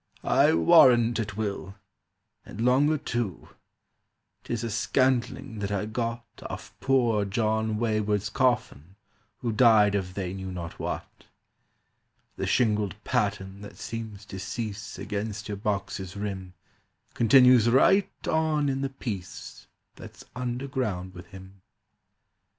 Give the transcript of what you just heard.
"I warrant it will. And longer too. 'Tis a scantling that I got Off poor John Wayward's coffin, who Died of they knew not what. "The shingled pattern that seems to cease Against your box's rim Continues right on in the piece That's underground with him.